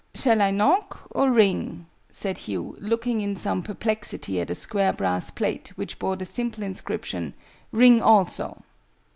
"Shall I knock, or ring?" said Hugh, looking in some perplexity at a square brass plate which bore the simple inscription "RING ALSO."